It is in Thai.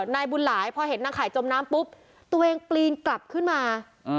นายบุญหลายพอเห็นนางขายจมน้ำปุ๊บตัวเองปีนกลับขึ้นมา